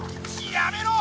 やめろ！